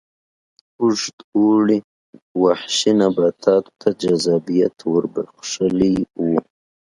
اوږد اوړي وحشي نباتاتو ته جذابیت ور بخښلی و.